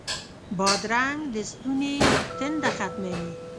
بادرنګ د ستوني تنده ختموي.